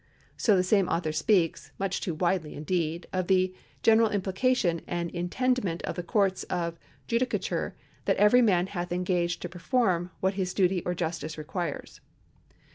^ So the same author speaks, much too widely indeed, of the " general implication and intendment of the Courtis of judicature that every man hath engaged to per form what his duty or justice requires."